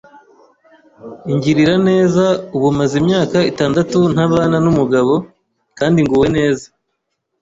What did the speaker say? ingirira neza ubu maze imyaka itandatu ntabana n’umugabo kandi nguwe neza